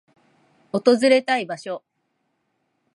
訪れたい場所